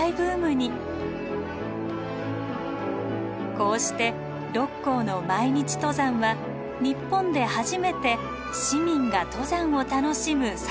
こうして六甲の毎日登山は日本で初めて市民が登山を楽しむ先駆けとなったのです。